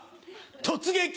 「突撃！